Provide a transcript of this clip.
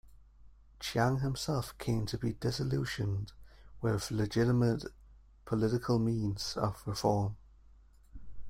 Chiang himself came to be disillusioned with legitimate political means of reform.